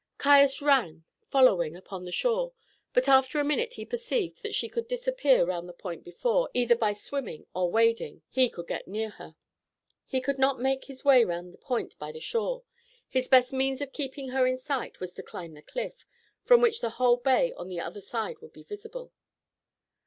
Caius ran, following, upon the shore, but after a minute he perceived that she could disappear round the point before, either by swimming or wading, he could get near her. He could not make his way around the point by the shore; his best means of keeping her in sight was to climb the cliff, from which the whole bay on the other side would be visible.